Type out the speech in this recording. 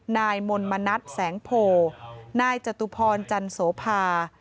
นายมนมณัฐแสงโพนายจตุพรจันโสภา